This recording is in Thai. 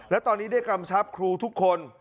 และตอนนี้ได้กำชับครูทุกคน